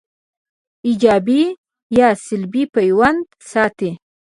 ایجابي یا سلبي پیوند ساتي